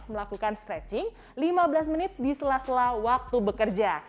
melakukan stretching lima belas menit di sela sela waktu bekerja